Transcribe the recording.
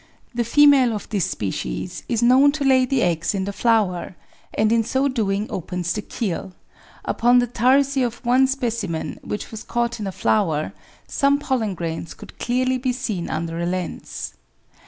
The female of this species is known to lay the eggs in the flower, and in so doing opens the keel; upon the tarsi of one specimen, which was caught in a flower, some pollen grains could clearly be seen under a lens.